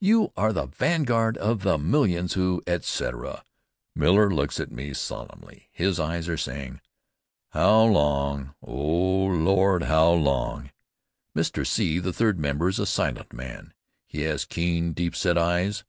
You are the vanguard of the millions who " etc. Miller looks at me solemnly. His eyes are saying, "How long, O Lord, how long!" Mr. C., the third member, is a silent man. He has keen, deep set eyes.